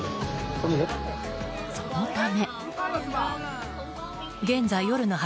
そのため。